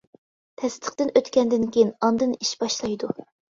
تەستىقتىن ئۆتكەندىن كېيىن ئاندىن ئىش باشلايدۇ.